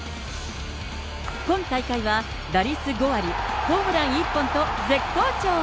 今大会は、打率５割、ホームラン１本と、絶好調。